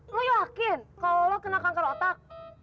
lo yakin kalau lo kena kanker otak